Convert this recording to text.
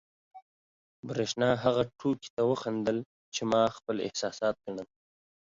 برېښنا هغې ټوکې ته وخندل، چې ما خپل احساسات ګڼل.